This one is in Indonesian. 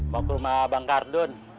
mau ke rumah bang kardun